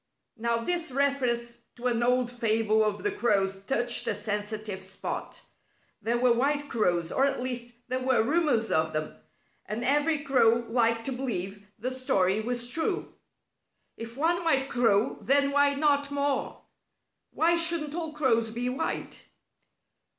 Now this reference to an old fable of the crows touched a sensitive spot. There were white crows, or at least there were rumors of them, and every crow liked to believe the story was true. If one white crow, then why not more? Why shouldn't all crows be white?